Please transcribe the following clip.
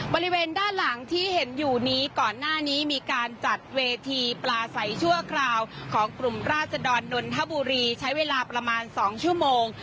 บริเวณด้านหลังที่เห็นอยู่นี้ก่อนหน้านี้มีการจัดเวทีปลาใสชั่วคราวของกลุ่มราชดรนนทบุรีใช้เวลาประมาณ๒ชั่วโมง